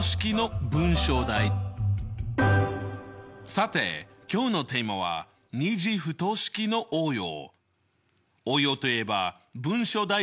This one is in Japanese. さて今日のテーマは２次不等式の応用。